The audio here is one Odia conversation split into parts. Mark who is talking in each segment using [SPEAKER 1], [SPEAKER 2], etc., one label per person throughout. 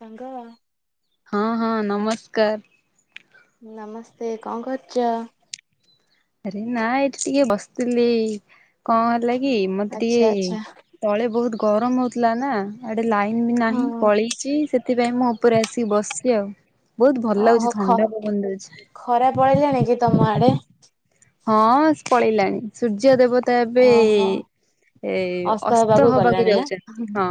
[SPEAKER 1] ସାଙ୍ଗ
[SPEAKER 2] ହଁ, ହଁ, ନମସ୍କାର।
[SPEAKER 1] ନମସ୍ତେ! କଣ କରୁଚ?
[SPEAKER 2] ଆରେ ନା ଏଇଠି ଟିକେ ବସିଥିଲି, କଣ ହେଲା କି ମତେ
[SPEAKER 1] ଆଚ୍ଛା
[SPEAKER 2] ଟିକେ
[SPEAKER 1] ଆଚ୍ଛା
[SPEAKER 2] ତଳେ ବହୁତ ଗରମ ହଉଥିଲା ନା, ଆଡେ ଲାଇନ ବି ନାହିଁ,
[SPEAKER 1] ହଁ।
[SPEAKER 2] ପଳେଇଚି ସେ ସେଥିପାଇଁ ମୁଁ ଉପରେ ଆସିକି ବସିଛି ଆଉ। ବହୁତ ଭଲ
[SPEAKER 1] ଓହୋ
[SPEAKER 2] ଲାଗୁଛି
[SPEAKER 1] ଖ
[SPEAKER 2] ଥଣ୍ଡା ପବନ ଦଉଛି।
[SPEAKER 1] ଖରା ପଳେଇଲାଣି କି ତମ ଆଡେ?
[SPEAKER 2] ହଁ ପଳେଇଲାଣି। ସୂର୍ଯ୍ୟ ଦେବ ତା ଏବେ
[SPEAKER 1] ଓହୋ।
[SPEAKER 2] ଏ ଅସ୍ତ
[SPEAKER 1] ହେବାକୁ
[SPEAKER 2] ହବାକୁ
[SPEAKER 1] ଗଲାଣି ଆଁ।
[SPEAKER 2] ଯାଉଛନ୍ତି, ହଁ।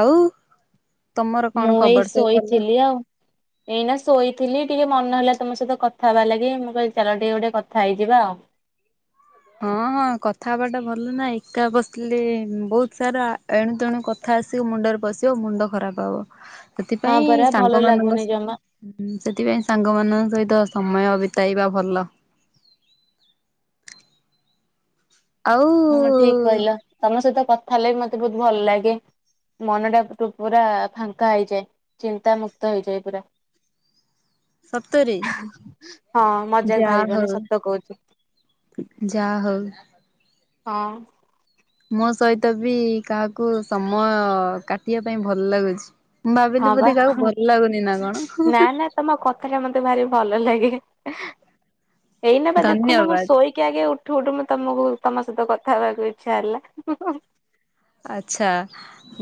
[SPEAKER 2] ଆଉ ତମର କଣ
[SPEAKER 1] ମୁଁ ଏଇ
[SPEAKER 2] ଖବର ସବୁ ଭଲ?
[SPEAKER 1] ଶୋଇଥିଲି ଆଉ। ଏଇନା ଶୋଇଥିଲି, ଟିକେ ମନ ହେଲା ତମ ସହିତ କଥା ହବା ଲାଗି, ମୁଁ କିହିଲି ଚାଲ ଟିକେ ଗୋଟେ କଥା ହେଇଯିବା ଆଉ।
[SPEAKER 2] ହଁ ହଁ କଥା ହବାଟା ଭଲ ନା। ଏକା ବସିଲେ ବହୁତ ସାରା ଏଣୁ ତେଣୁ କଥା ଆସିକି ମୁଣ୍ଡରେ ପଶିବ, ମୁଣ୍ଡ ଖରାପ ହବ।
[SPEAKER 1] ହଁ
[SPEAKER 2] ସେଥିପାଇଁ
[SPEAKER 1] ପରା ଭଲ
[SPEAKER 2] ସାଙ୍ଗମାନଙ୍କ
[SPEAKER 1] ଲାଗୁନି ଜମା
[SPEAKER 2] ସହିତ ହୁଁ ସେଥିପାଇଁ ସାଙ୍ଗମାନଙ୍କ ସହିତ ସମୟ ବିତାଇବା ଭଲ। ଆଉ
[SPEAKER 1] ହଁ ଠିକ କହିଲ। ତମ ସହିତ କଥା ହେଲେ ବି ମତେ ବହୁତ ଭଲ ଲାଗେ। ମନଟା ପୁ-ପୁରା ଫାଙ୍କା ହେଇଯାଏ। ଚିନ୍ତା ମୁୁକ୍ତ ହେଇଯାଏ ପୁରା।
[SPEAKER 2] ସତରେ
[SPEAKER 1] ହଁ ମଜାକ
[SPEAKER 2] ଯାହା
[SPEAKER 1] ଭାବିବନି, ସତ କହୁଚି।
[SPEAKER 2] ଯା ହଉ
[SPEAKER 1] ହଁ।
[SPEAKER 2] ମୋ ସହିତ ବି କାହାକୁ ସମୟ କାଟିବା ପାଇଁ ଭଲ ଲାଗୁଛି। ମୁଁ
[SPEAKER 1] ହଁ
[SPEAKER 2] ଭାବିଲି ବୋଧେ
[SPEAKER 1] ବା।
[SPEAKER 2] କାହାକୁ ଭଲ ଲାଗୁନି ନା
[SPEAKER 1] ନା
[SPEAKER 2] କଣ?
[SPEAKER 1] ନା ତମ କଥାଟା ମତେ ଭାରି ଭଲ ଲାଗେ। ଏଇନା ବା ଦେଖୁନ ମୁଁ
[SPEAKER 2] ଧନ୍ୟବାଦ।
[SPEAKER 1] ଶୋଇ ଆଗେ ଉଠୁ ଉଠୁ ମୁଁ ତମକୁ ତମ ସହିତ କଥା ହେବାକୁ ଇଚ୍ଛା ହେଲା।
[SPEAKER 2] ଆଚ୍ଛା।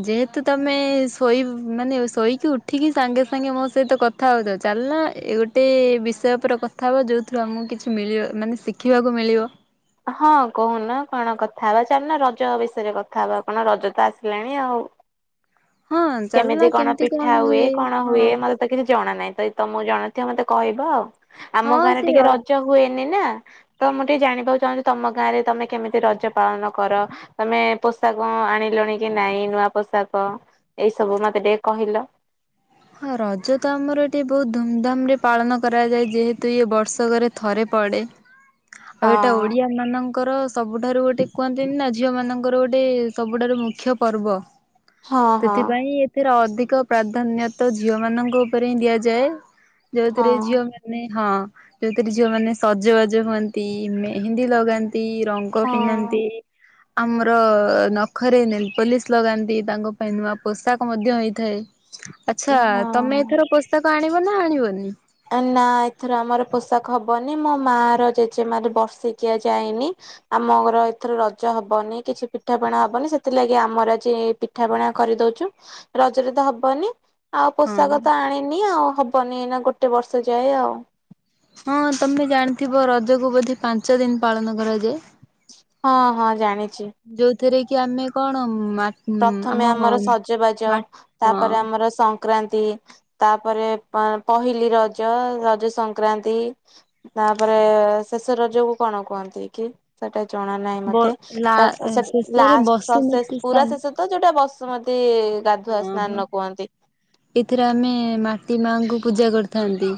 [SPEAKER 2] ଯେହେତୁ ତମେ ଶୋଇ ମାନେ ଶୋଇକି ଉଠିକି ସାଙ୍ଗେ ସାଙ୍ଗେ ମୋ ସହିତ କଥ କଥା ହେଉଚ ଚାଲୁନ ଏବେ ଗୋଟେ ବିଷୟ ଉପରେ କଥା ହେବା, ଯୋଉଥିରେ ଆମକୁ କିଛି ମିଳିବ ମାନେ ଶିଖିବାକୁ ମିଳିବ।
[SPEAKER 1] ହଁ କହୁନ କଣ କଥା ହବା? ଚାଲୁନା ରଜ ବିଷୟରେ କଥା ହବା କଣ ରଜ ତ ଆସିଲାଣି ଆଉ। କେମିତି କଣ ପିଠା ହୁଏ, କଣ ହୁଏ? ମ ତ କିଛି ଜଣା ନାହିଁ। ଯଦି ତମକୁ ଜଣାଥିବ ମତେ କହିବ ଆଉ। ଆମ
[SPEAKER 2] ହଁ
[SPEAKER 1] ଗାଁରେ
[SPEAKER 2] ସେ ର
[SPEAKER 1] ଟିକେ ରଜ ହୁଏନି ନା, ତ ମୁଁ ଟିକେ ଜାଣିବାକୁ ଚାହୁଁଛି ତମ ଗାଁରେ ତମେ କେମିତି ରଜ ପାଳନ କର? ତମେ ପୋଷାକ ଆଣିଲଣି କି ନାଇଁ ନୂଆ ପୋଷାକ, ଏଇ ସବୁ ମତେ ଟିକେ କହିଲ?
[SPEAKER 2] ହଁ ରଜ ତ ଆମର ଏଠି ବହୁତ ଧୁମଧାମରେ ପାଳନ କରାଯାଏ। ଯେହେତୁ ଇଏ ବର୍ଷକରେ ଥରେ ପଡ଼େ। ଆଉ ଏଇଟା
[SPEAKER 1] ହଁ।
[SPEAKER 2] ଓଡିଆମାନଙ୍କର ସବୁଠାରୁ ଗୋଟେ କୁହନ୍ତିନି ନା ଝିଅ ମାନଙ୍କ ନଙ୍କର ଗୋଟେ ସବୁଠାରୁ ମୁଖ୍ୟ ପର୍ବ।
[SPEAKER 1] ହଁ ହଁ
[SPEAKER 2] ସେଥିପାଇଁ ଏ ଏଥିରେ ଅଧିକ ପ୍ରାଧାନ୍ୟତା ଝିଅ ମାନଙ୍କ ଉପରେ ହିଁ ଦିଆଯାଏ।
[SPEAKER 1] ହଁ
[SPEAKER 2] ଯୋଉଥିରେ ଝିଅ ମାନେ ମାନେ ହଁ ଏଇଥିରେ ଝିଅ ମାନେ ସଜବାଜ ହୁଅନ୍ତି, ମେହେନ୍ଦୀ ଲଗାନ୍ତି, ରଙ୍ଗ ଫ୍ରକ ପିନ୍ଧନ୍ତି।
[SPEAKER 1] ହ [unintelligible]
[SPEAKER 2] ଆମର ନଖରେ ନେଲ ପୋଲିସ ଲଗାନ୍ତି। ତାଙ୍କ ପାଇଁ ନୂଆ ପୋଷାକ ମଧ୍ୟ ହେଇଥାଏ। ଆଚ୍ଛା ତମେ
[SPEAKER 1] ହଁ।
[SPEAKER 2] ଏଥର ପୋଷାକ ଆଣିବ ନା ଆଣିବନି?
[SPEAKER 1] ନା ଏଥିରୁ ଆମର ପୋଷାକ ହବନି। ମୋ ମା ର ଜେଜେମାର ବର୍ଷିକିଆ ଯାଇନି। ଆମର ଏଥର ରଜ ହବନି କିଛି ପିଠାପଣା ହବନି ସେଥିଲାଗି ଆମର ପିଠା ପଣା କରିଦଉଚୁ। ରଜରେ ତ ହବନି। ଆଉ
[SPEAKER 2] ହଁ
[SPEAKER 1] ପୋଷାକ ତ ଆଣିନି ଆଉ ହବନି ଏ ନା ଗୋଟେ ବର୍ଷ ଯାଏ ଆଉ।
[SPEAKER 2] ହଁ ତମେ ଜାଣିଥିବ ରଜକୁ ବୋଧେ ପାଞ୍ଚ ଦିନ ପାଳନ କରାଯାଏ?
[SPEAKER 1] ହଁ, ହଁ ଜାଣିଚି।
[SPEAKER 2] ଯୋଉଥିରେ କି ଆମେ କଣ ମା ଆମ
[SPEAKER 1] ପ୍ରଥମେ ଆମର ସଜବାଜ।
[SPEAKER 2] ମା
[SPEAKER 1] ତାପରେ
[SPEAKER 2] ହଁ
[SPEAKER 1] ଆମର ସ ସଂକ୍ରାନ୍ତି। ତାପରେ ପହିଲି ରଜ। ରଜ ସଂକ୍ରାନ୍ତି ତାପରେ ଶେଷ ରଜକୁ କଣ କୁହନ୍ତି କି? ସେଟା ଜଣା ନାହିଁ
[SPEAKER 2] ବ
[SPEAKER 1] ମତେ।
[SPEAKER 2] ଲା
[SPEAKER 1] ତା ସେ
[SPEAKER 2] ଶେଷରେ
[SPEAKER 1] ଲାଷ୍ଟ ସସେ
[SPEAKER 2] ବସୁମତୀ
[SPEAKER 1] ପୁରା
[SPEAKER 2] ସ୍ଥାନ
[SPEAKER 1] ସ ତ ଯୋଉଟା ବସୁମତୀ।
[SPEAKER 2] ଓହୋ
[SPEAKER 1] ସ୍ନାନ କୁହନ୍ତି।
[SPEAKER 2] ଏଥିରେ ଆମେ ମାଟି ମାଙ୍କୁ ପୂଜା କରିଥାନ୍ତି।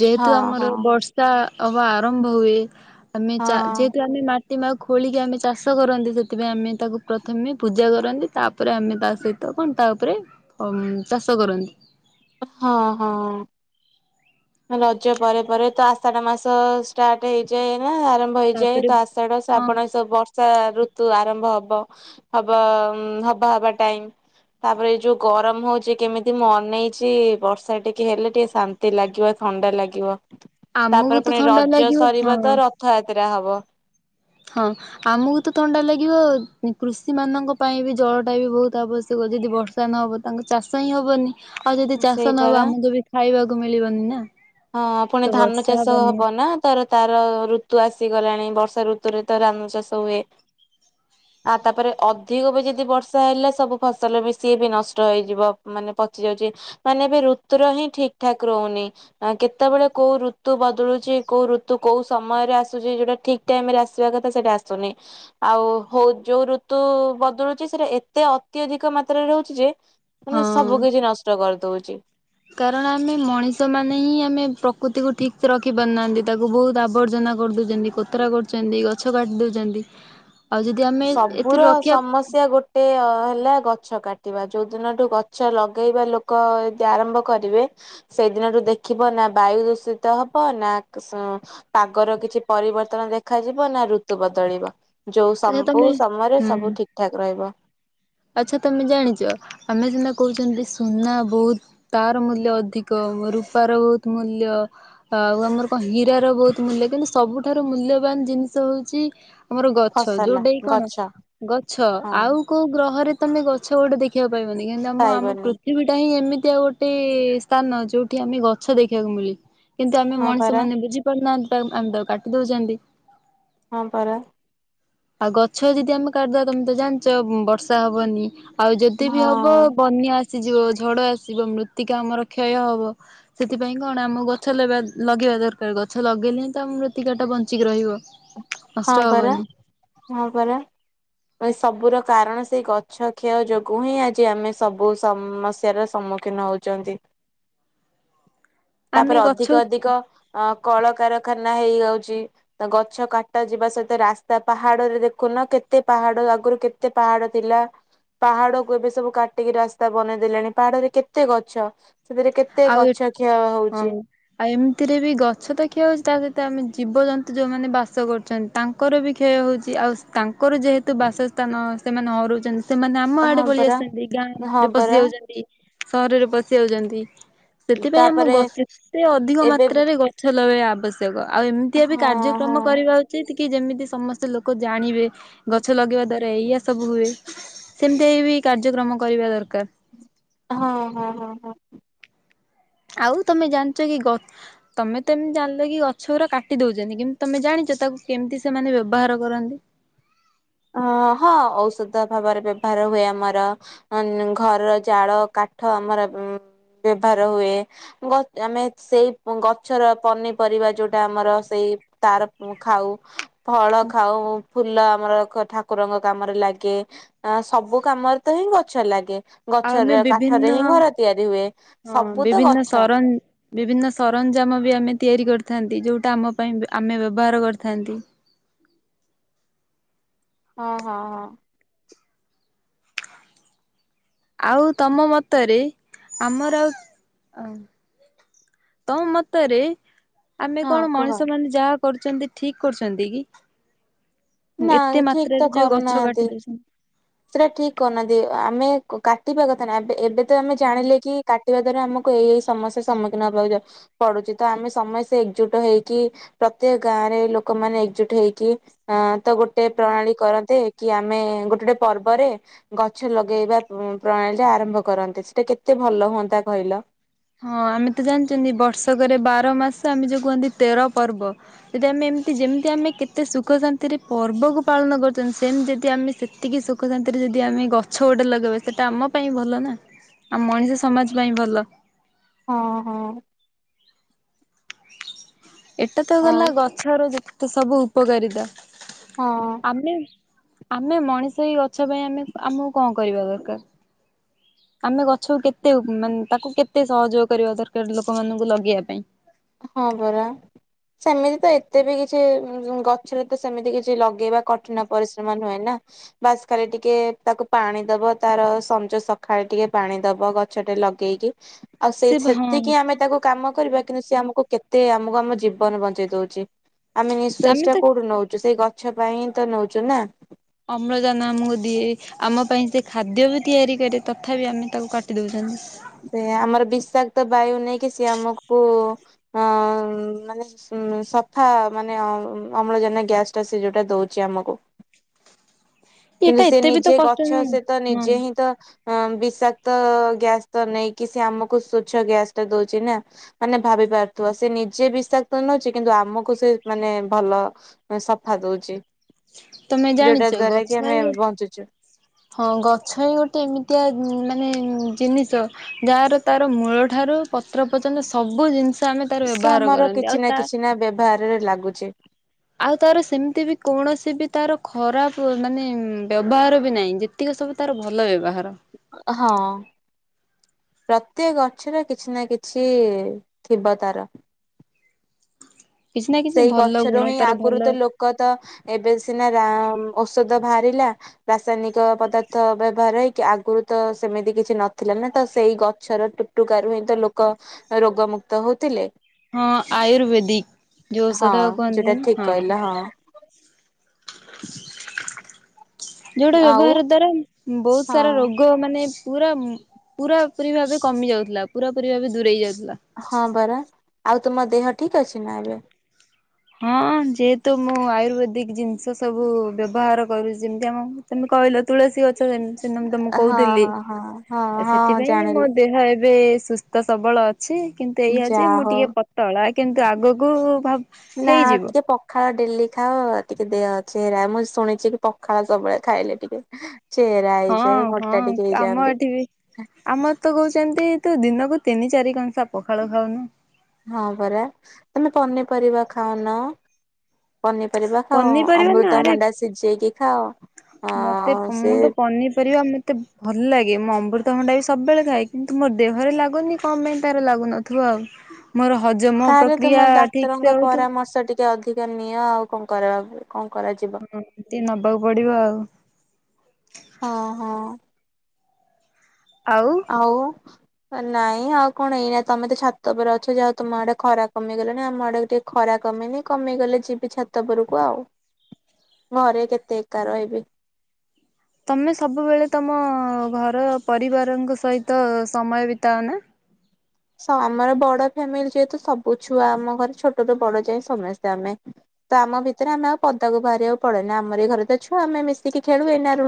[SPEAKER 2] ଯେହେତୁ
[SPEAKER 1] ହଁ
[SPEAKER 2] ଆମର
[SPEAKER 1] ହଁ
[SPEAKER 2] ବର୍ଷା ହବା ଆରମ୍ଭ ହୁଏ ଆମେ ଚା
[SPEAKER 1] ହଁ
[SPEAKER 2] ଯେହେତୁ ଆମେ ମା ପ୍ରତିମା ଖୋଳିକି ଆମେ ଚାଷ କରନ୍ତି। ସେଥିପାଇଁ ଆମେ ତାକୁ ପ୍ରଥମେ ପୂଜା କରନ୍ତି। ତାପରେ ଆମେ ତା ସହି ତ କଣ୍ ତା ଉପରେ ଅ ଚାଷ କରନ୍ତି।
[SPEAKER 1] ହଁ ହଁ। ରଜ ପରେ ପରେ ତ ଆଷାଢ ମାସ ଷ୍ଟାର୍ଟ ହେଇଯାଏ ନା ଆରାମ୍ ହୋଇଯାଏ
[SPEAKER 2] ତାପରେ
[SPEAKER 1] ତ ଆଷାଢ
[SPEAKER 2] ହଁ
[SPEAKER 1] ଶ୍ରାବଣ ଏ ସବୁ ବର୍ ଚା ଋତୁ ଆରମ୍ଭ ହବ ହବ ହବା ହବା ଟାଇମ୍। ତାପରେ ଏ ଯୋଉ ଗରମ ହୋଉଛି କେମିତି ମୁଁ ଅନେଇଛି ବର୍ଷା ଟିକେ ହେଲେ ଟିକେ ଶାନ୍ତି ଲାଗିବ। ଥଣ୍ଡା ଲାଗିବ
[SPEAKER 2] ଆମକୁ
[SPEAKER 1] ତାପରେ
[SPEAKER 2] ତ
[SPEAKER 1] ପୁଣି
[SPEAKER 2] ଥଣ୍ଡା
[SPEAKER 1] ରଜ
[SPEAKER 2] ଲାଗିବ
[SPEAKER 1] ସରିବା
[SPEAKER 2] ହଁ।
[SPEAKER 1] ତ ରଥଯାତ୍ରା ହବ।
[SPEAKER 2] ହଁ। ଆମକୁ ତ ଥଣ୍ଡା ଲାଗିବ କୃଷି ମାନଙ୍କ ପାଇଁ ବି ଜଳ ଟା ବି ବହୁତ ଆବଶ୍ୟକ ଯଦି ବର୍ ଯୋଉଟା ନହବ ତାଙ୍କୁ ଚାଷ ହିଁ ହବନି ଆଉ ଯଦି
[SPEAKER 1] ସେଇ
[SPEAKER 2] ଚାଷ ନହବ
[SPEAKER 1] ପରା
[SPEAKER 2] ଆମକୁ ବି ଖାଇବାକୁ ମିଳିବନି ନା।
[SPEAKER 1] ହଁ ପୁଣି
[SPEAKER 2] ତ
[SPEAKER 1] ଧାନ
[SPEAKER 2] ବର୍ଷା
[SPEAKER 1] ଚାଷ
[SPEAKER 2] ହବନି
[SPEAKER 1] ହବ ନା। ତର ତାର ଋତୁ ଆସିଗଲାଣି ବର୍ଷା ଋତୁରେ ତ ରାନ୍ ଚାଷ ହୁଏ। ଆ ତାପରେ ଅଧିକ ବି ଯଦି ବର୍ଷା ହେଲେ ସବୁ ଫସଲ ବି ସିଏ ବି ନଷ୍ଟ ହେଇଯିବ ମାନେ ପଚି ଯାଉଛି। ମାନେ ଏବେ ଋତୁର ହିଁ ଠିକ୍ ଠାକ୍‌ ରହୁନି। ଆଁ କେତେବେଳେ କୋଉ ଋତୁ ବଦଳୁଛି କୋଉ ଋତୁ କୋଉ ସମୟରେ ଆସୁଛି ଯୋଉଟା ଠିକ୍। ଟାଇମ୍ ରେ ଆସିବା କଥା ସେଇଟା ଆସୁନି। ଆଉ ହୋଉ ଯୋଉ ଋତୁ ବଦଳୁଛି ସେଟା ଏତେ ଅତ୍ୟଧିକ ମାତ୍ରାରେ ରହୁଛି ଯେ ମାନେ
[SPEAKER 2] ହଁ
[SPEAKER 1] ସବୁ କିଛି ନଷ୍ଟ କରିଦଉଛି।
[SPEAKER 2] କାରଣ ଆମେ ମଣିଷ ମାନେ ହିଁ ଆମେ ପ୍ରକୃତିକୁ ଠିକ୍ ରଖି ପାରୁନାହାନ୍ତି ତାକୁ ବହୁତ ଆବର୍ଜନା କରିଦଉ ଛନ୍ତି କୋତରା କରୁଛନ୍ତି ଗଛ କାଟି ଦଉଛନ୍ତି। ଆଉ ଯଦି ଆମେ ଏଥିରୁ
[SPEAKER 1] ସବୁର
[SPEAKER 2] ରଖିବା
[SPEAKER 1] ସମସ୍ୟା ଗୋ ଗୋଟେ ହେଲା ଗଛ କାଟିବା ଯୋଉ ଦିନଠୁ ଗଛ ଲଗେଇବା ଲୋକ ଯଦି ଆରମ୍ଭ କରିବେ ସେଦିନଠୁ ଦେଖିବ ନା ବାୟୁ ଦୂଷିତ ହବ ନା ପାଗର କିଛି ପରିବର୍ତ୍ତନ ଦେଖାଯିବ ନା ଋତୁ ବଦଳିବ। ଯୋଉ ସବୁ
[SPEAKER 2] ତମେ
[SPEAKER 1] ସମୟରେ
[SPEAKER 2] ହୁଁ
[SPEAKER 1] ସବୁ ଠିକ୍ ଠାକ୍ ରହିବ।
[SPEAKER 2] ଆଚ୍ଛା ତମେ ଜାଣିଛ ଆମେ ସିନା କହୁଛନ୍ତି ସୁନା ବହୁତ ତାର ମୂଲ୍ୟ ଅଧିକ ରୂପାର ବହୁତ ମୂଲ୍ୟ। ଆଉ ଆମର କଣ ହୀରା ର ବହୁତ ମୂଲ୍ୟ କିନ୍ତୁ ସବୁଠାରୁ ମୂଲ୍ୟବାନ ଜିନିଷ ହୋଉଛି ଆମର ଗ ଗଛ
[SPEAKER 1] ଫସଲ
[SPEAKER 2] ଯୋଉଟାକି କଣ
[SPEAKER 1] ଗଛ
[SPEAKER 2] ଗଛ
[SPEAKER 1] ହଁ
[SPEAKER 2] ଆଉ କୋଉ ଗ୍ରହରେ ତମେ ଗଛ ଗୋଟେ ଦେଖକୁ ପାଇବନି କିନ୍ତୁ ଆମ ଆମ ପୃ
[SPEAKER 1] ପାଇବନି
[SPEAKER 2] ପୃଥିବୀଟା ହିଁ ଏମିତିଆଉ ଗୋଟେ ସ୍ଥାନ ଯୋଉଠି ଆମେ ଗଛ ଦେଖିବାକୁ ମିଳେ। କିନ୍ତୁ ଆମେ
[SPEAKER 1] ହଁ
[SPEAKER 2] ମଣିଷ
[SPEAKER 1] ପରା
[SPEAKER 2] ମାନେ ବୁଝି ପାରୁନାହାନ୍ତି ତାକୁ ଆମେ ତାକୁ କାଟି ଦଉଛନ୍ତି।
[SPEAKER 1] ହଁ ପରା।
[SPEAKER 2] ଆଉ ଗଛ ଯଦି ଆମେ କାଟିଦବା ତମେ ତ ଜାଣିଛ ବର୍ଷା ହବନି। ଆଉ ଯଦି ବି ହବ
[SPEAKER 1] ହଁ
[SPEAKER 2] ବନ୍ୟା ଆସିଯିବ ଝଡ ଆସିଯିବ ମୃତ୍ତିକା ଆମର କ୍ଷୟ ହବ। ସେଥିପାଇଁ କଣ ଆମ ଗଛ ଲଗେଇବା ଦରକାର ଗଛ ଲଗେଇଲେ ହିଁ ତ ଆମ ମୃତ୍ତିକା ଟା ବଞ୍ଚିକି ରହିବ।
[SPEAKER 1] ହଁ
[SPEAKER 2] ନଷ୍ଟ
[SPEAKER 1] ପରା
[SPEAKER 2] ହବନି
[SPEAKER 1] ହଁ ପରା। ଏ ସବୁର କାରଣ ସେଇ ଗଛ କ୍ଷୟ ଯୋଗୁ ହିଁ ଆଜି ଆମେ ସବୁ ସମସ୍ୟାର ସମ୍ମୁ କିନ ନଉଛନ୍ତି
[SPEAKER 2] ଆମେ
[SPEAKER 1] ତାପରେ
[SPEAKER 2] ଗଛ
[SPEAKER 1] ଅଧିକ ଅଧିକ ଅ କଳକାରଖାନା ହେଇଯାଉଛି ତ ଗ ଗଛ କାଟା ଯିବା ସହିତ ରାସ୍ତା ପାହାଡରେ ଦେଖୁନ କେତେ ପାହାଡ ଆଗରୁ କେତେ ପାହାଡ ଥିଲା। ପାହାଡ କୁ ଏବେ ସବୁ କାଟିକି ରାସ୍ତା ବନେଇ ଦେଲେଣି ପାହାଡରେ କେତେ ଗଛ ସେଥିରେ କେତେ
[SPEAKER 2] ଆଉ
[SPEAKER 1] ଗଛ କ୍ଷୟ
[SPEAKER 2] ହଁ
[SPEAKER 1] ହଉଚି?
[SPEAKER 2] ଆଉ ଏମ୍ତିରେ ବି ଗଛ ତ କ୍ଷୟ ହଉଚି ତା ସହିତ ଆମେ ଜୀବଜନ୍ତୁ ଯୋଉମାନେ ବାସ କରୁ [unintelligible] ତାଙ୍କର ବି କ୍ଷୟ ହଉଚି ଆଉ ତାଙ୍କର ଯେହେତୁ ବାସସ୍ଥାନ ସେମାନେ [unintelligible] ସେମାନେ ଆ ଆମ ଆଡେ
[SPEAKER 1] ହଁ
[SPEAKER 2] ପଳି
[SPEAKER 1] ପରା
[SPEAKER 2] ଆସୁଚନ୍ତି
[SPEAKER 1] ହଁ
[SPEAKER 2] ଗାଁରେ ପଶି
[SPEAKER 1] ପରା
[SPEAKER 2] ଯାଉଛନ୍ତି। ସହରରେ ପଶି ଆଉଚନ୍ତି ସେଥିପାଇଁ ଆମ
[SPEAKER 1] ତାପରେ
[SPEAKER 2] ଗ ଏତେ ଅଧିକ
[SPEAKER 1] ଏବେ
[SPEAKER 2] ମାତ୍ରାରେ ଗ ଛ ଲଗେଇଆ ଆବଶ୍ୟକ ଆଉ ଏମିତିଆ ବି
[SPEAKER 1] ହଁ ହଁ
[SPEAKER 2] କାର୍ଯ୍ୟକ୍ରମ କରିବା ଉ ଚିତ୍ କି ଯେମିତି ସମସ୍ତେ ଲୋକ ଜାଣିବେ ଗଛ ଲଗେଇବା ଦ୍ଵାରା ଏଇଆ [unintelligible] ସବୁ ହୁଏ ସେମ୍ତି ଏ ବି କାର୍ଯ୍ୟକ୍ରମ କରିବା ଦରକାର୍।
[SPEAKER 1] ହଁ- ହଁ- ହଁ- ହଁ
[SPEAKER 2] ଆଉ ତମେ ଜାଣିଚ କି ଗ ତମେ ତ ଏମ୍ ଜାଣିଲ କି ଗଛ ଉରା କାଟି ଦଉଛନ୍ତି [unintelligible] ତମେ ଜାଣିଛ ତାକୁ କେମିତି ସେମାନେ ବ୍ୟବହାର କରନ୍ତି?
[SPEAKER 1] ଅ ହଁ ଔଷଧ ଭାବରେ ବ୍ୟବହାର ହୁଏ ଆମର ‌। ଅନ୍ ଘର ଜାଳ କାଠ ଆମର ଉଁ ବ୍ୟବହାର ହୁଏ। ଗ ଆମେ ସେଇ [unintelligible] ଗଛର ପନିପରିବା ଯୋଉଟା ଆମର ସେଇ ତାର ଖାଉ ଫଳ ଖାଉ ଫୁଲ ଆମର ଠାକୁରଙ୍କ କାମରେ ଲାଗେ ଆ ସବୁ କାମରେ ତ ହିଁ ଗଛ ଲାଗେ।
[SPEAKER 2] ଆଉ ଆମେ
[SPEAKER 1] ଗଛର
[SPEAKER 2] ବିଭିନ୍ନ
[SPEAKER 1] କାଠରେ ହିଁ
[SPEAKER 2] ହଁ
[SPEAKER 1] ଘର ତିଆରି ହୁଏ ସବୁ ତ
[SPEAKER 2] ବିଭିନ୍ନ
[SPEAKER 1] ଗଛ।
[SPEAKER 2] ସରଞ୍ଜ ବିଭିନ୍ନ ସରଞ୍ଜାମ ବି ଆମେ ତିଆରି କରିଥାନ୍ତି ଯୋଉଟା ଆମ ପାଇଁ ଆମେ ବ୍ୟବହାର କରିଥାନ୍ତି।
[SPEAKER 1] ହଁ-ହଁ-ହଁ
[SPEAKER 2] ଆଉ ତମ ମତରେ ଆମର ଆଉ ଆ [unintelligible] ମତରେ ଆମେ
[SPEAKER 1] ହଁ
[SPEAKER 2] କଣ
[SPEAKER 1] କୁହ।
[SPEAKER 2] ମଣିଷ ମାନେ ଯାହା କରୁଚନ୍ତି ଠିକ୍ କରୁଚନ୍ତି କି?
[SPEAKER 1] ନା
[SPEAKER 2] ଏତେ
[SPEAKER 1] ଠିକ ତ
[SPEAKER 2] ମାତ୍ରାରେ ଯୋଉ ଗଛ
[SPEAKER 1] କରୁନାହାନ୍ତି
[SPEAKER 2] କାଟି ଦଉଛ [unintelligible]
[SPEAKER 1] ସେଟା ଠିକ୍ କରୁନାହାନ୍ତି ଆମେ କ କାଟିବା କଥା [unintelligible] ଏ ଏବେ ତ ଆମେ ଜାଣିଲେ କି କା ଟିବା ଦ୍ଵାରା ଆମକୁ ଏଇ ଏଇ ସମସ୍ୟାର ସମ୍ମୁଖୀନ ହେବାକୁ ଯା ପଡୁଚି ତ ଆମେ ସମସ୍ତେ ଏକଜୁଟ୍ ହେଇକି ପ୍ରତ୍ୟେକ ଗାଁ ରେ ଲୋକମାନେ ଏକଜୁଟ୍ ହେଇକି ଆଁ ତ ଗୋଟେ ପ୍ରଣାଳୀ କରନ୍ତେ କି ଆମେ ଗୋଟେ ଗୋଟେ ପର୍ବରେ ଗଛ ଲଗେଇବା ପଁ ପ୍ରଣାଳୀ ଆରମ୍ଭ କରନ୍ତେ ସେଟା କେତେ ଭଲ ହୁଅନ୍ତା କହିଲ।
[SPEAKER 2] ହଁ ଆମେ ତ ଜାଣିଚନ୍ତି ବର୍ଷକରେ ବାର ମାସ ଆମେ ଯୋଉ କୁହନ୍ତି ତେର ପର୍ବ। ଯଦି ଆମେ ଏମ୍ତି ଯେମ୍ତି ଆମେ କେତେ ସୁଖ ଶାନ୍ତିରେ ପର୍ବକୁ ପାଳନ କରୁଛନ୍ତି ସେମ୍ତି ଯଦି ଆମେ ସେ ସେତିକି ସୁଖ ଶାନ୍ତିରେ ଯଦି ଆମେ ଗଛ ଗୋଟେ ଲଗେଇବା ସେଇଟା ଆମ ପାଇଁ ଭଲ ନା। ଆମ୍ ମଣିଷ ସମାଜ ପାଇଁ ଭଲ।
[SPEAKER 1] ହଁ-ହଁ
[SPEAKER 2] ଏଟା ତ
[SPEAKER 1] ଆଉ
[SPEAKER 2] ଗଲା ଗଛର ଯେତିକି ସବୁ ଉପକାରିତା।
[SPEAKER 1] ହଁ।
[SPEAKER 2] ଆମେ ଆମେ ମଣିଷ ଏ ଗଛ ପାଇଁ ଆମେ ଆମକୁ କଁ କରିବା ଦରକାର୍? ଆମେ ଗଛକୁ କେତେ ମାନେ ତାକୁ କେତେ ସହଯୋଗ କରିବା ଦରକାର୍ ଲୋକମାନଙ୍କୁ ଲଗେଇଆ ପାଇଁ?
[SPEAKER 1] ହଁ ପରା। ସେମିତି ତ ଏତେ ବି କିଛି [unintelligible] ଗଛରେ ତ ସେମିତି କିଛି ଲଗେଇବା କଠିନ ପରିଶ୍ରମ ନୁହେଁ ନା? ବାସ୍ ଖାଲି ଟିକେ ତାକୁ ପାଣି ଦବ ତାର ସଞ୍ଜ ସଖାଳେ ଟିକେ ପାଣି ଦବ ଗ ଛଟେ ଲଗେଇକି ଆଉ ସେ ସେତିକି ଆମେ ତାକୁ କାମ କରିବା କିନ୍ତୁ ସିଏ ଆମ କୁ କେତେ ଆମକୁ ଆମ ଜୀବନ ବଞ୍ଚେଇ ଦଉଚି ଆମେ ନିଶ୍ଵାସ ଟା କୋଉଠୁ ନଉଚୁ ସେଇ ଗ ଛ ପାଇଁ [unintelligible] ତ ନଉଚୁ ନା।
[SPEAKER 2] ଅମ୍ଳଜାନ ଆମକୁ ଦିଏ ଆମ ପାଇଁ ସେ ଖାଦ୍ୟ ବି ତିଆରି କରେ ତଥାପି ଆମେ ତାକୁ କାଟି ଦଉଚନ୍ତି।
[SPEAKER 1] ସେ ଆମର ବିଷାକ୍ତ ବାୟୁ ନେଇକି ସେ ଆମକୁ-ଉ ହଁ-ଅ-ଅ ମାନେ ଉ ସଫା ମାନେ ଅମ୍-ଅମ୍ଳଜାନ ଗ୍ୟାସ୍ ଟା ସେ ଯୋଉଟା ଦଉଛି ଆମକୁ। କିନ୍ତୁ
[SPEAKER 2] ଏଇଟା
[SPEAKER 1] ସେ
[SPEAKER 2] ଏତେ ବି ତ
[SPEAKER 1] ନିଜେ
[SPEAKER 2] କଷ୍ଟ
[SPEAKER 1] ଗଛ
[SPEAKER 2] ନୁହଁ
[SPEAKER 1] ସେତ
[SPEAKER 2] ହଁ
[SPEAKER 1] ନିଜେ ହିଁ ତ ହଁ ବିଷାକ୍ତ ଗ୍ୟାସ୍ ତ ନେଇକି ସେ ଆମକୁ ସ୍ଵଚ୍ଛ ଗ୍ୟାସ୍ ଟା ଦଉଛି ନା। ମାନେ ଭାବି ପାରୁଥିବ, ସେ ନିଜେ ବିଷାକ୍ତ ନଉଛି କିନ୍ତୁ ଆମକୁ ସେ ମାନେ ଭଲ। ସଫା ଦଉଛି।
[SPEAKER 2] ତମେ
[SPEAKER 1] ଯୋଉଟା
[SPEAKER 2] ଜାଣିଛ
[SPEAKER 1] ଦ୍ଵାରା କି
[SPEAKER 2] ଗଛ
[SPEAKER 1] ଆମେ
[SPEAKER 2] ହିଁ
[SPEAKER 1] ବଞ୍ଚୁଛୁ।
[SPEAKER 2] ହଁ ଗଛ ହିଁ ଗୋଟେ ଏମିତିଆ ମାନେ ଜିନିଷ ଯାହାର ତାର ମୂଳ ଠାରୁ ପତ୍ର ପର୍ଯ୍ୟନ୍ତ ସବୁ ଜିନିଷ୍
[SPEAKER 1] ଓଷା ଆମର କିଛି ନା କିଛି ନା ବ୍ୟବହାରରେ ଲାଗୁଛି।
[SPEAKER 2] ଆଉ ତାର ସେମିତି ବି କୌଣସି ବି ତାର ଖରାପ୍ ମାନେ ବ୍ୟବହାର ବି ନାହିଁ ଯେ ଏତିକ ସସୋମୁ ତାର ଭଲ ବ୍ୟବହାର।
[SPEAKER 1] ହଁ। ପ୍ରତ୍ୟେକ ଗଛରେ କିଛି ନା କିଛି ଥିବ ତାର
[SPEAKER 2] କିଛି ନା କିଛି
[SPEAKER 1] ସେଇ
[SPEAKER 2] ଭଲ
[SPEAKER 1] ଗଛରୁ
[SPEAKER 2] ଗୁଣ
[SPEAKER 1] ହିଁ
[SPEAKER 2] ତାର
[SPEAKER 1] ଆଗରୁ
[SPEAKER 2] ଭଲ
[SPEAKER 1] ତ ଲୋକ ତ ଏବେ ସିନା ଔଷଧ ବାହାରିଲା। ରାସାୟନିକ ପଦାର୍ଥ ବ୍ୟବହାର ହେଇକି, ଆଗରୁ ତ ସେମିତି କିଛି ନଥିଲା ନୁହଁ ତ ସେଇ ଗଛର ଟୁକାରି ହିଁ ତ ଲୋକ ରୋଗ ମୁକ୍ତ ହଉଥିଲେ।
[SPEAKER 2] ହଁ ଆୟୁର୍ବେଦିକ୍ ଯୋଉ
[SPEAKER 1] ହଁ
[SPEAKER 2] ଔଷଧ
[SPEAKER 1] ଯୋଉଟା
[SPEAKER 2] କୁହନ୍ତିନି,
[SPEAKER 1] ଠିକ କହିଲ
[SPEAKER 2] ହଁ। ଯୋଉଟା
[SPEAKER 1] ଆଉ
[SPEAKER 2] ବ୍ୟବହାର ଦ୍ଵାରା ବହୁତ୍ ସାରା
[SPEAKER 1] ହଁ
[SPEAKER 2] ରୋଗ ମାନେ ପୁରା ପୁରା ପରି ଭାବେ କମି ଯାଉଥିଲା, ପୁରା ପରି ଭାବେ ଦୂରେଇ ଯାଉଥିଲା।
[SPEAKER 1] ହଁ ପରା ଆଉ ତୁମ ଦେହ ଠିକ୍ ଅଛି ନା ଏବେ?
[SPEAKER 2] ହଁ ଯେହେତୁ ମୁଁ ଆୟୁର୍ବେଦିକ୍ ଜିନିଷ ସବୁ ବ୍ୟବହାର କରୁଛି, ଯେମ୍ ତି ଆମ ତମେ କହିଲ ତୁଳସୀ ଗଛ ଯେମ୍ -ନ- ତ ମୁଁ କହୁଥିଲି।
[SPEAKER 1] ହ- ହଁ।
[SPEAKER 2] ଆ
[SPEAKER 1] ହଁ
[SPEAKER 2] ସେଥିପାଇଁ ମୋ
[SPEAKER 1] ଜାଣିଲି
[SPEAKER 2] ଦେହ ଏବେ-ଏ-ଏ ସୁସ୍ଥ ତ ସବଳ ଅଛି କିନ୍ତୁ ଏଇଆ ଯେ
[SPEAKER 1] ଯାହା
[SPEAKER 2] ମୁଁ
[SPEAKER 1] ହଉ
[SPEAKER 2] ଟିକେ ପତଳା କିନ୍ତୁ ଆଗକୁ ଭାବ୍
[SPEAKER 1] ନା ଟିକେ ପ ପଖାଳ ଡେଲି ଖାଅ ଟିକେ ଦେହ ଅଛିହେରା, ମୁଁ ଶୁଣିଛି କି ପଖାଳ ସବୁବେଳେ ଖାଇଲେ ଟିକେ ଚେହେରା ହେଇଯାଏ
[SPEAKER 2] ହଁ
[SPEAKER 1] ମୋଟା
[SPEAKER 2] ହଁ
[SPEAKER 1] ଟିକେ
[SPEAKER 2] ଆମ
[SPEAKER 1] ହେଇଯାଆନ୍ତି।
[SPEAKER 2] ଏଠି ବି ଆମର ତ କହୁଛନ୍ତି ତୁ ଦିନକୁ ତିନି ଚାରି କଂସା ପଖାଳ ଖାଉନୁ।
[SPEAKER 1] ହଁ ପରା ତମେ ପନିପରିବା ଖାଉନ। ପନିପରିବା ଖାଅ,
[SPEAKER 2] ପନିପରିବା ନା ଆରେ
[SPEAKER 1] ଅମୃତଭଣ୍ଡା ସିଝେଇକି ଖାଅ।
[SPEAKER 2] ମତେ
[SPEAKER 1] ହଁ ସେ
[SPEAKER 2] ମୁଁ ତ ପନିପରିବା ମତେ ଭଲ ଲାଗେ ମୁଁ ଅମୃତଭଣ୍ଡା ବି ସବୁବେଳେ ଖାଏ କିନ୍ତୁ ମୋର ଦେହରେ ଲାଗୁନି କଣ ପାଇଁ ତାର ଲାଗୁନଥିବ ଆଉ। ମୋର ହଜମ
[SPEAKER 1] ତାହେଲେ ତୁମ
[SPEAKER 2] ପ୍ରକ୍ରିୟା ଠିକ୍
[SPEAKER 1] ଡାକ୍ତରଙ୍କ
[SPEAKER 2] ସେ ହଉଥିବ
[SPEAKER 1] ପରାମର୍ଶ ଟିକେ ଅଧିକା ନିଅ ଆଉ କଣ କରା କଣ କରାଯିବ।
[SPEAKER 2] ହଁ ସେ ନବାକୁ ପଡିବ ଆଉ।
[SPEAKER 1] ହଁ -ହଁ।
[SPEAKER 2] ଆଉ।
[SPEAKER 1] ଆଉ। ନାଇଁ ଆଉ କଣ ଏଇନାତ ତମେ ତ ଛାତ ଉପରେ ଅଛ ଯାହାଉ ତମ ଆଡେ ଖରା କମିଗଲାଣି, ଆମ ଆଡେ ଟିକେ ଖରା କମିନି କମିଗଲେ ଯିବି ଛାତ ଉପରକୁ ଆଉ। ଘରେ କେତେ ଏକା ରହିବି।
[SPEAKER 2] ତମେ ସବୁବେଳେ ତମ ଘର ପରିବାରଙ୍କ ସହିତ ସମୟ ବିତାଅ ନା?
[SPEAKER 1] ଆମର ବଡ ଫ୍ୟାମିଲି ଯେହେତୁ ସବୁ ଛୁଆ ଆମ ଘରେ ଛୋଟରୁୁ ବଡ ଯାଇଏ ସମସ୍ତେ ଆମେ ତ ଆମ ଭିତରେ ଆମେ ଆଉ ପଦାକୁ ବାହାରିବାକୁ ପଡେନା ଆମର ଏଇ ଘରେ ତ ଛୁଆ ଆମେ ମିଶିକି ଖେଳୁ ଏଇନା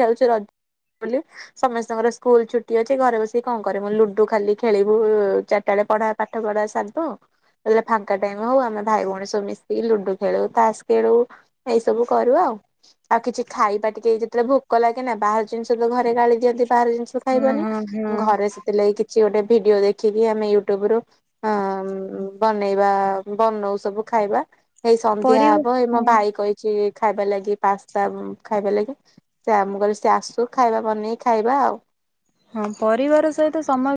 [SPEAKER 1] ଖେଳୁଛୁ ରଜ ବୋଲି ସମସ୍ତଙ୍କର ସ୍କୁଲ ଛୁଟି ଅଛି ଘରେ ବସିକି କଣ କରେ ମୁ ଲୁଡୁ ଖାଲି ଖେଳିବୁ ଚାରିଟା ବେଳେ ପଢା ପାଠ ପଢା ସାର ବୋ ଆ ହେଲେ ଫାଙ୍କା ଟାଇମ୍ ହଉ ଆମେ ଭାଇ ଭଉଣୀ ସବୁ ମିଶିକି ଲୁଡୁ ଖେଳୁ ତାସ ଖେଳୁ ଏଇ ସବୁ କରୁ ଆଉ। ଆଉ କିଛି ଖାଇବା ଟିକେ ଯେତେବେଳେ ଭୋକ ଲାଗେ ନା ବାହାର ଜିନିଷ ତ ଘରେ ଗାଳି ଦିଅନ୍ତି ବାହାର ଜିନିଷ
[SPEAKER 2] ହଁ
[SPEAKER 1] ଖାଇବନି
[SPEAKER 2] ହଁ ହଁ
[SPEAKER 1] ଘରେ ସେଥିଲାଗି କିଛି ଗୋଟେ ଭିଡିଓ ଦେଖିକି ଆମେ ୟୁଟୁବ ରୁ ହଁ ବନେଇବା ବନଉ ସବୁ ଖାଇବା। ଏଇ ସନ୍ଧ୍ୟା
[SPEAKER 2] ପରିବା
[SPEAKER 1] ହବ ଏଇ ମୋ
[SPEAKER 2] ହଁ
[SPEAKER 1] ଭାଇ କହିଛି ଖାଇବା ଲାଗି ପାସ୍ତା ଖାଇବ ଲାଗି ସେ ଆ ମୁଁ କହିଲି ସେ ଆସୁ ଖାଇବା ବନେଇକି ଖାଇବା ଆଉ।
[SPEAKER 2] ହଁ ପରିବାର ସହିତ ସମସ୍ତ